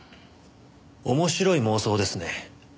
面白い妄想ですね。